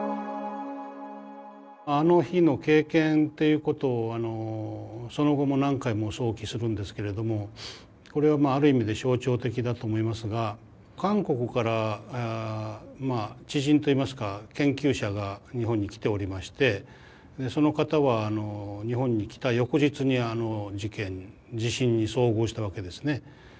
あの日の経験っていうことをその後も何回も想起するんですけれどもこれはまあある意味で象徴的だと思いますが韓国から知人といいますか研究者が日本に来ておりましてその方は日本に来た翌日に地震に遭遇したわけですね。